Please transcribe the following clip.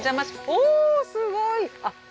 おおすごい！